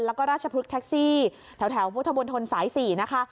แล้วก็ราชพฤกษแท็กซี่แถวพุทธมนตรสาย๔นะคะ